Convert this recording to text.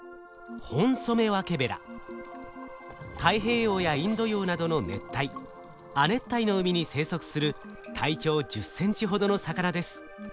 太平洋やインド洋などの熱帯亜熱帯の海に生息する体長１０センチほどの魚です。